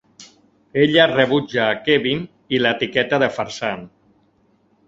Ella rebutja a Kevin, i l'etiqueta de farsant.